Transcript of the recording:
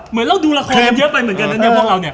เหมือนเราดูละครเยอะไปเหมือนกันนะ